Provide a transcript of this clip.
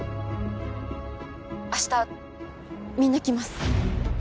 ☎明日みんな来ます